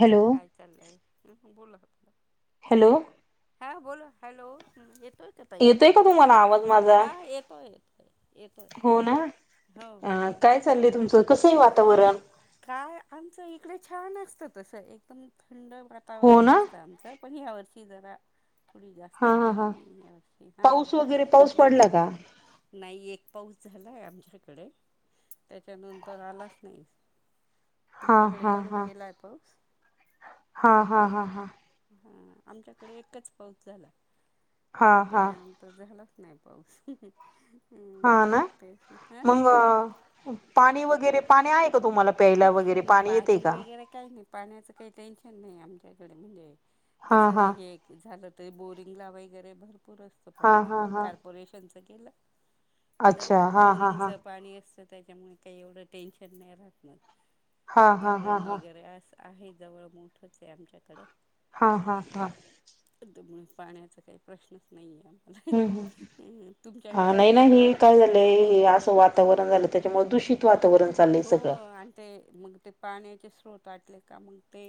Hello hello! ह बोला hello हं येत येतोय का तुम्हाला आवाज माझा. येतोय येतोय येतोय हो ना हो हो काय येतोय चाललंय तुमचं, कस हे वातावरण. काय आमचं इकडे छान असत तस एकदम. थंड हो वातावरण ना असतं, आमचं पण ह्या वर्षी जरा थोडी हा जास्तच हा हा गरमी यावर्षी हा पाऊस वगैरे पाऊस नाही तर, पडला का नाही एक पाऊस झाला आहे, आमच्याकडे त्याच्यानंतर आलाच नाही. हा तुमच्याकडे हा पडून हा गेलाय पाऊस हा हा हा हा! हा आमच्याकडे एकच पाऊस झाला हा हा त्याच्यानंतर झाला नाही पाऊस. हा ना तेच ना हा मंग पाणी वगैरे पाणी आहे का तुम्हाला. प्यायला वगैरे नाही पाणी येतेय का? वगैरे काही नाही पाण्याचं काही टेन्शन नाही, आमच्याकडे म्हणजे हा तसं हा हे झालं ते बोरिंग ला वगैरे भरपूर असत हा पाणी हा हा कॉर्पोरेशन केलं. तर अच्छा मंग हा हा हा बोरिंगच पाणी असतं, त्याच्यामुळे काही एवढं टेन्शन नाही राहत मग. हा हा हा धरण हा वगैरे अस आहे, जवळ मोठच आहे आमच्याकडे. हा हा हा! त्यामुळे पाण्याचा काही प्रश्नच नाही आहे. हूं हूं! आम्हाला हा तुमच्याकडे नाही, कसं नाही, आहे हे काय पाण्याचा झालंय असं वातावरण झालं त्याच्यामुळे दूषित वातावरण चाललंय हो सगळं. आणि ते मग ते पाण्याचे स्रोत आटले का मग ते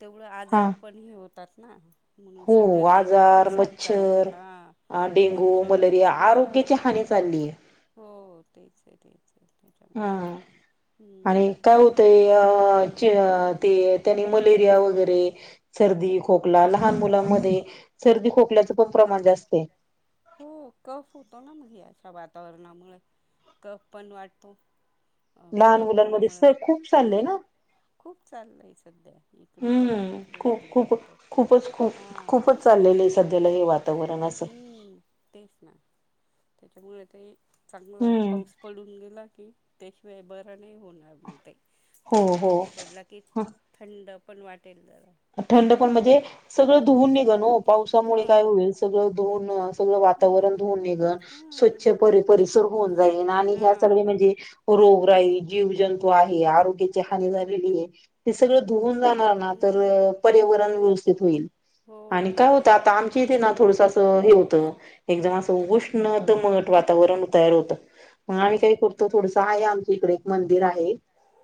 तेवढं हा. आजार पण हे होतात ना. म्हणून हो सध्या त इकड खूप साथ चालू आहे हा. अ डेंगू मच्छर मलेरिया हां आरोग्याची हानी चालली आहे हो तेच आहे तेच आहे हा हम्म आणि काय होतंय अ ते त्यांनी मलेरिया वगैरे सर्दी खोकला लहान मुलांमध्ये सर्दी खोकल्याच पण प्रमाण जास्त आहे हो कफ होतो ना मग अशा वातावरणामुळे कफ पण वाढतो लहान मुलांमध्ये स खूप चाललंय हां ना खूप चाललय सध्या इकडे तर हम्म खूप आहे इकडे खूप पण का खूपच खूप हा खूपच सध्याला हे वातावरण असं. हम्म तेच ना त्याच्यामुळे ते चांगला हम्म. पाऊस पडून गेला कि त्याशिवाय बरा नाही होऊन हो चांगला हो. पाऊस पडला की थंड पण वाटतं थंड पण म्हणजे सगळं धुऊून निघल पावसामुळे काय हां होईल सगळं धुऊून वातावरण हां हां स्वच्छ हां [unintelligible] राई जीव जंतू आहे आरोग्याची हानी झालेली आहे ते सगळ धुवून जाणार ना तर हं पर्यावरण व्यवस्थित होईल हो आणि काय होत एकदम आता बरं आमच्या इथे ना थोडस असं हे होत एकदम असं उष्ण दमट वातावरण तयार होतं मग आम्ही काही अच्छा करतो थोडसं आहे आमच्या इकडे एक मंदिर आहे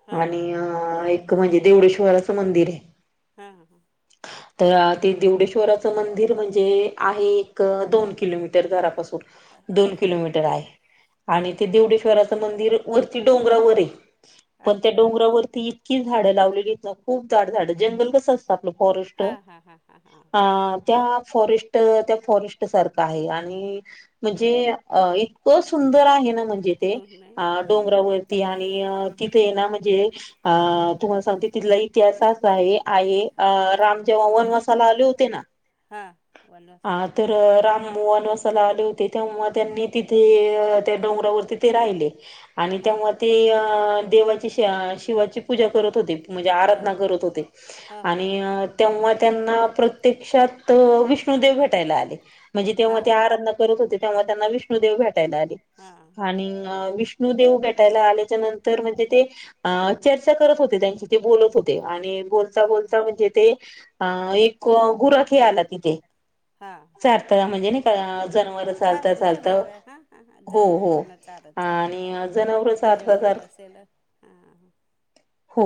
हां आणि एक म्हणजे देवळेश्वराचं मंदिर आहे हा ह तर ते देवडेश्वराचं मंदिर म्हणजे आहे एक दोन किलोमीटर दरापासून दोन अच्छा किलोमीटर आहे आणि ते हां देवडेश्वराचं मंदिर वरती डोंगरावर आहे पण त्या अच्छा अच्छा डोंगरावरती इतकी झाडं लावलेली खूप ड झाड जंगल कसं असतं आपलं फॉरेस्ट हां हां हां हां हां अ त्या फॉरेट त्या फॉरेट सारख आहे आणि म्हणजे इतकं सु सुंदर आहे ना म्हणजे ते हो नाही अ डोंगरावरती आणि तिथे ना म्हणजे अ तुम्हाला सांगते तिथला इतिहासच आहे आहे अं हां राम जेव्हा वनवासाला आले होते ना हां वनवासात हा तर असताना राम मोहन अस ले होते तेव्हा त्यांनी तिथे त्या डोंगरावरती ते राहिले आणि त्यामु हां ते देवाची श शिवाची पूजा करत होते म्हणजे आराधना हां करत होते हां हां हां आणि हां तेव्हा त्यांना प्रत्यक्षात विष्णुदेव भेटायला आले णजे तेव्हा ते हां आराधना करत होते तेव्हा त्यांना विष्णुदेव भेटायला आले हां आणि विष्णू देेव भेटायला आल्याच्या नंतर म्हणजे ते चर्चा करत होते त्यांची ते बोलत होते आणि बोलता हां बोलता म्हणजे ते अ एक गुरखे आला तिथे हां सारता म्हणजे जनावर चालता हां चालत जनावर आहे हां हां हां हो हो जनावरांना चारत चारत आणि जनावर चारता चार जंगल असेल हा हो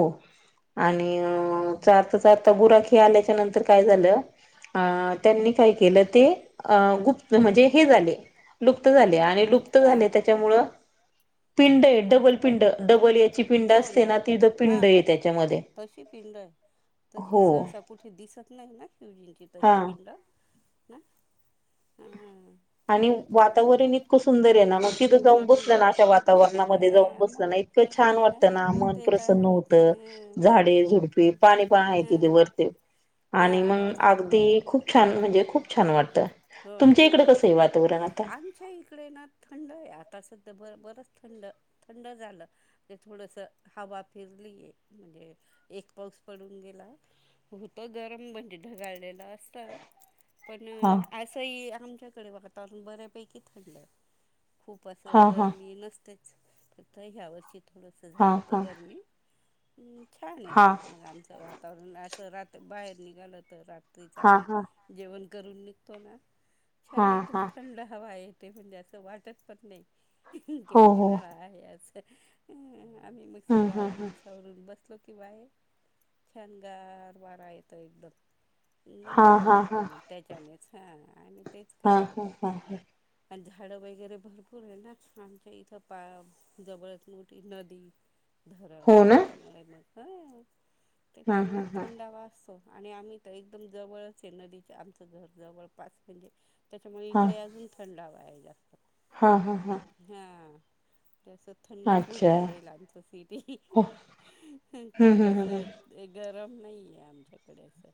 आणि चारता चारता बुराखी आल्याच्या नंतर काय झालं अ हां त्यांनी काही ते गुप्त म्हणजे लुप्त जाले लुप्त झाले हां त्याच्यामुळं पिंड आहे हां डबल पिंड डबल याची पिंड असते दोन्ही ना तीथ हां पिंड आहे हां त्याच्यामध्ये तशी पिंड आहे तशी हो सहसा कुठे दिसत नाही ना शिवजींची तशी हा पिंड ह आणि वातावरण इतकं सुंदर आहे ना मग तिथं जाऊन आहे हो बसलं ना अशा वातावरणामध्ये जाऊन बसलं मग ना इतकं छान वाटतं ना हां मग मन ते तर प्रसन्न आहेच होतं हां झाडे झुडपी तेच पाणी पा आहे तिथे हां वरते आणि हां मग चालेल अगदी खूप खूप छान! म्हणजे खूप छान वाटत. हो ना, आमच्या इकडे ना थंड आहे आ आता सध्या बरं बरचं थंड -थंड झालं, म्हणजे थोडस हवा फिरलीय म्हण म्हणजे एक पाउस पडून गेला, होत गरम म्हणजे ढगाळलेलं असत. पण हा असंही आमच्याकडे वातावरण बऱ्यापैकी थंड खूप असं हा हा गरमी नसतेच [unintelligible] ह्या वर्षी थोडंस हा झालं ते हा गरमी छान! आहे हा पण मग आमचं वातावरण अस रात बाहेर निघालं तर, रात्रीच हा आम्ही हा जेवण करून निघतो ना. हा छान! एकदम हा थंड हवा येते, म्हणजे असं वाटत पण नाही. हो की हो ऊन्हाळा आहे असं, आम्ही मग हम् सगळं हम् हम आवरून सावरून बसलो. कि बाहेर छान! गार वारा येतो एकदम. हम हा बरं हा वाटतं मग त्याच्याने. हा हा हा हा. आणि झाडं वगैरे भरपूर आहे ना, आमच्या इथं पा- जवळचं मोठी नदी धरण हो ना त्याच्यामुळे मग हा हा त्याच्यामुळे हा थंडा वा असत हो, आणि आम्ही तर एकदम जवळच आहे, नदीच्या आमचं घर जवळ पास म्हणजे त्याच्यामुळे हा इकडे अजून थंड हवा आहे जास्त. हा हा. हा. जस थंडच अच्छा म्हंटलं जाईल, आमच सिटी. हो हम्म खूप हम्म हम्म हम्म. असं एक ग रम नाही आहे आमच्याकडे असं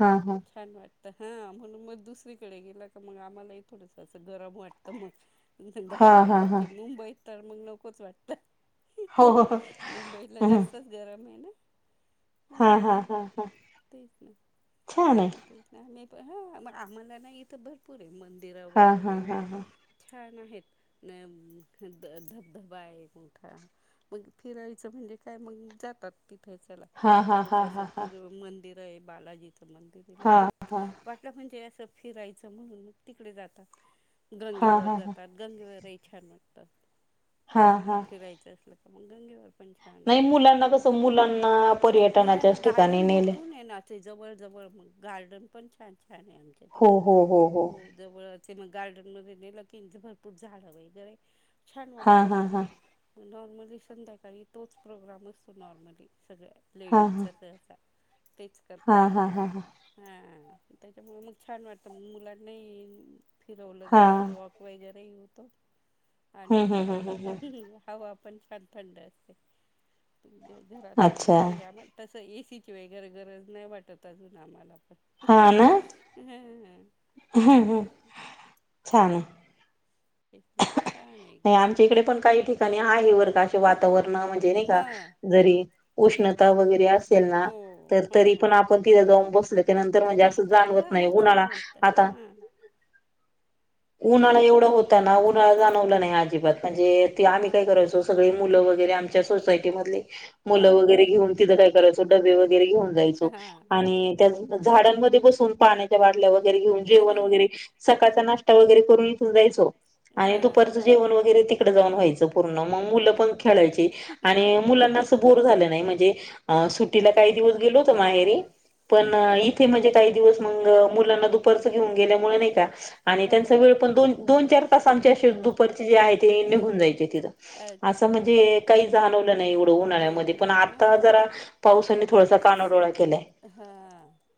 हा हा त्याच्यामुळे छान! वाटतं. हा म्हणून मग दुसरीकडे गेला का, मग आम्हाला ही थोडस अस गरम वाटत मग. हा गावाला हा हा जायची मुंबईत तर, मग नकोच वाटतं. हो हो हो मुंबईला हम्म. जास्तच गरम आहे ना? हा हा हां हा हा तेच ना छान! आहे. तेच ना आम्ही हा मग आम्हाला नाही इथं भरपूर आहे, मंदिरं हा हा वगैरे हा हा छान आहेत. धबधबा आहे मोठा मग फिरायचं म्हणजे काय मग? जातात तिथं चला हा हा थोडस, हा असं हा फिरुन मंदिर आहे बालाजीचं. हा लोक हा हा वाटलं म्हणजे, असं फिरायचं म्हणून तिकडे जातात. हा गंगेवरर हा हा जातात गंगेवरही छान वाटत हा हा फिरायचं असल मग गंगेवर पण छान नाही आहे मुलांना कसं मुलांना मुलांना पर्यटनाच्याच ठिकाणी गार्डन नेले भरपूर आहे ना जवळ जवळ गार्डन पण छान छान! आहे आमच्या तिथ हो जवळचं ते मग गार्डन मध्ये नेलं की, भरपूर झाड वगैरे छान! हा वाटतं हा तिथं. हा नॉर्मली संध्याकाळी तोच प्रोग्राम असतो, नॉर्मली सगळ्या हा हा लेडीजचा सहसा. तेच हा करतात ना हा हा हा हा त्याच्यामुळे मग छान! वाटतं मुलां नाही फिरवलं हा जात वॉक वगैरे काही होत, हम्म हम्म हम्म हम्म आणि हवा पण छान थंड ये, अस हम्म घरातचं अच्छा [unintelligible] कि वगैरे गरज नाही वाटत, अजून आम्हाला आपण हा ना. हम हम छान! आहे. तेच ना छान आहे नाही एकदम आमच्या इकडे, पण काही ठिकाणी आहे वर [unintelligible] वातावरण. [unintelligible] नाही का? हां जरी उष्णता वगैरे असली तेना हो तर हो -तरी हो पण आपण तिथे जाऊन बसल त्या नंतर म्हणजे असं जाणवत हां नाही, मग उन्हाला छान वाटतं आता हां बोला उन्हानं एवढं होत होता ना उन्हाळा जाणवला नाही अजिबात म्हणजे, ते आम्ही हां काय करायचो सगळे मुलं वगैरे आमच्या सोसायटी मधली मुलं हां वगैरे घेवून, तिथं काय करायचो डबे वगैरे घेऊन जायचो हां हां मग आणि काय त्या झाडांमध्ये बसून पाण्याच्या बाटल्यावर वगैरे घेऊन हां जेवण वगैरे सकाळचा नाश्ता वगैरे करून इथून जायचो. आणि हां दुपारचं जेवण वगैरे तिकड जाऊन व्हायचं पूर्ण मग मुलं पण खेळायची आणि मु अरे वा लाना बोर झा नाही म्हणजे हां सुटीला काही दिवस गेलो होत माहेरी पण हां हां इथे म्हणजे काही दिवस दुप घेऊ गेल्या का हो. त्यां वे पण च आमच्या दुपरचे जे आहे ते हो निघून ना. जायचे तिथं अच्छा असं म्हणजे काही जाणवलं नाही एवढं हो दोनळ्यामध्ये ना पण हा आता जरा पावसानी थोडासा कानाडोळा केलाय हा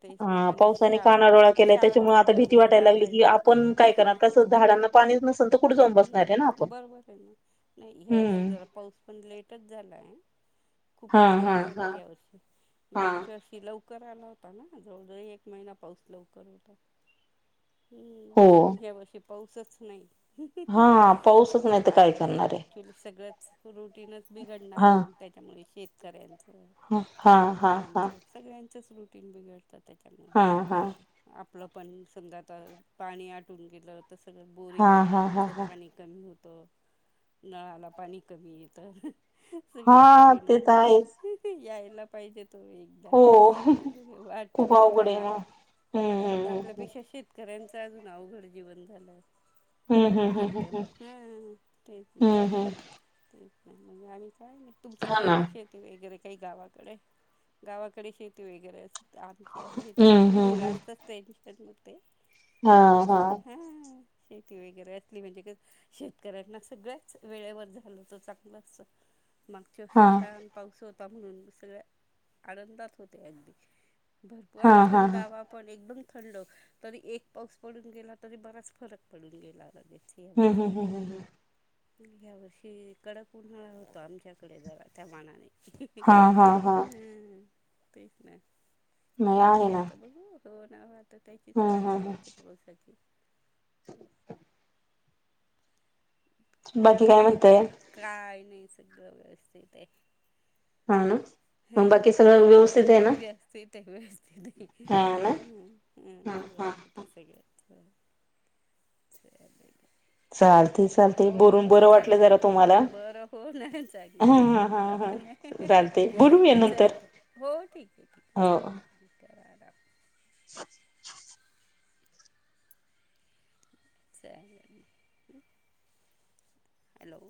तेच ना अ आणि पावसाने शाळा कानाडोळा शाळा उघडल्यामुळे जाताई पण काय करणार कसं झाडांना पाणीच नसेल कुठे जाऊन बसणार आहे ना हम्म आपण. बरोबर आहे ना नाही ह्या वर्षी हम्म. जरा पाऊस पण लेटच झाला आहे हा खूपच हा लाईट झाला हा या वर्षी हा मागच्या अशी लवकर आला होता ना जवळजवळ एक महिना पाऊस लवकर होता हो हम्म आणि ह्या वर्षी पाऊसच नाही हा पाऊसच ग नाही तर वाट काय करणार बघतय आहे. क्च्युली सगळंच रुटीनच बिघडणार हा आहे मग त्याच्यामुळे शेतकऱ्यां आ हा हा हा हा च रुटीन बिघडतात त्या हा हा आपलं पण समजा आता पाणी आटून गेलं तर सगळं हा बोरिंग हा हा तं हा पाणी कमी होतं नळाला पाणी कमी येतं सगळेच हा परिणाम ते तर होत आहेच यायला पाहिजेत. त एकदा हो वाटत खूप अवघड बघताय आहे ना. हम्म आपल्यापेक्षा शेतकऱ्यांच अजून अवघड जीवन झालं हम्म हम्म एकदम ह तेच नाही हम्म हम्म हम्म हम्म हम्म तेच नाही म्हणजे आम्ही काय नाही तुमचं नाही ना शेती वगैरे काही गावाकडे गावाकडे शेती वगैरे अस आमची आहे हम्म त्याच्यामुळे हम्म हम्म मगचच मग ते पुस हा शेती वगैरे म्हणजे शेतकऱ्यांना सगळ्याच वेळेवर झालं त चांगलं अस मागच्याशी हा छान पाऊस होता म्हणून सगळ आनंदात होते अगदी भरपूर हा आणि हा हा थंड हम्म हवा पण एकदम थंड तरी एक पाऊस पडून गेला तरी बराच फरक पडून गेलादी हम्म हम्म हम्म हम्म हम या वर्षी कडक उन्हाळा होतो आमच्याकडे जरा त्या मानाने हा हा हा हम् तेच नाही नावस आहे ना आता बघू हो ना तर त्याचीच हम्म वाट हम्म हम्म बघायची पावसाची बाकी काय आहे म्हणतय काय नाही सगळ व्यवस्थित हा ना बाकी सगळं व्यवस्थित आहे ना ते वळते हा ना हा नाहीम्म्मस्ते हा ते सगळच ठीक चालते चालते बरून ओके बरं वाटलं जरा तुम्हाला चालतंय ह ह ह चालत हो ठीक आहे ठीक आहे हो चालेल ठी आहे [inaudible] हॅलो